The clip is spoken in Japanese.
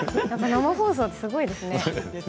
生放送ってすごいですね。